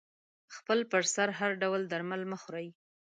خپل پر سر هر ډول درمل مه خوری